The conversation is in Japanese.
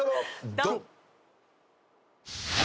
ドン！